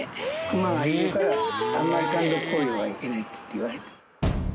クマがいるからあんまり単独行動はいけないっていわれてる。